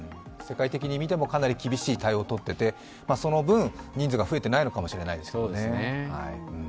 世界的に見てもかなり厳しい対応をとっていてその分、人数が増えていないのかもしれないですけどね。